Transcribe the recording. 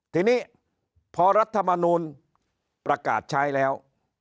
ทีนี้พอรัฐมนูลประกาศใช้แล้ว